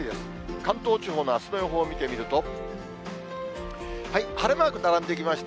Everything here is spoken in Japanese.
関東地方のあすの予報を見てみると、晴れマーク並んできました。